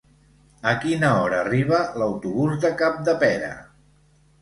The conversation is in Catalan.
A quina hora arriba l'autobús de Capdepera?